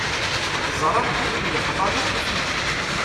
Ẓran d win yexḍan akk i tigi.